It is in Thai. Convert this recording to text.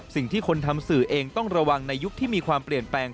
สิ่งที่คนทำสื่อเองต้องระวังในยุคที่มีความเปลี่ยนแปลง